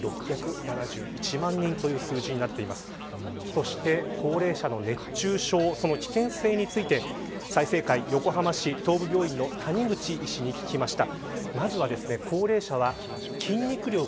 そして高齢者の熱中症その危険性について済生会横浜市東部病院の谷口医師に聞きました。